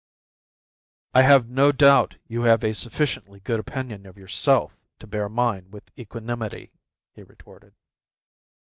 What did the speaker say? "I have no doubt you have a sufficiently good opinion of yourself to bear mine with equanimity," he retorted.